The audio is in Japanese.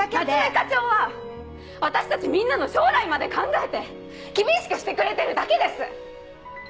夏目課長は私たちみんなの将来まで考えて厳しくしてくれてるだけです！